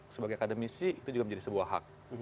sebagai akademisi itu juga menjadi sebuah hak